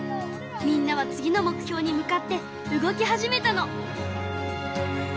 みんなは次の目標に向かって動き始めたの。